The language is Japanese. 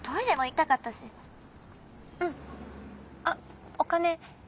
あっお金。